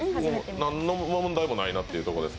なんの問題もないなというところでね。